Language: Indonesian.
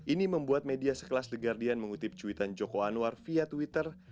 ini membuat media sekelas the guardian mengutip cuitan joko anwar via twitter